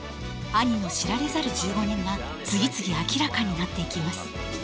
兄の知られざる１５年が次々明らかになっていきます。